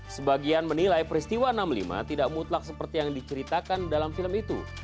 sebagian menilai peristiwa enam puluh lima tidak mutlak seperti yang diceritakan dalam film itu